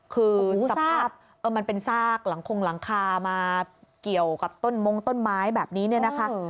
คือสภาพมันเป็นซากหลังคงหลังคามาเกี่ยวกับต้นมงต้นไม้แบบนี้เนี่ยนะคะ